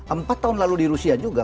empat tahun lalu di rusia juga